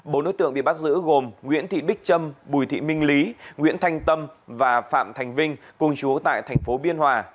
bốn đối tượng bị bắt giữ gồm nguyễn thị bích trâm bùi thị minh lý nguyễn thanh tâm và phạm thành vinh cùng chú tại thành phố biên hòa